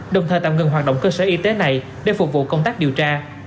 đồng thời tạm ngừng hoạt động cơ sở y tế này để phục vụ công tác điều tra